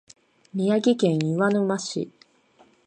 宮城県岩沼市